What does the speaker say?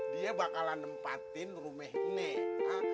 dia bakalan nempatin rumahnya